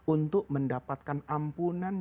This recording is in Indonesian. untuk mendapatkan ampunan